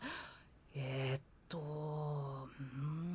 えっとふん。